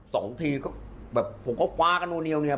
สองทีผมก็ฟ้ากันโน้นเดียว